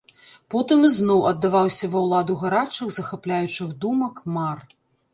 Потым ізноў аддаваўся ва ўладу гарачых, захапляючых думак, мар.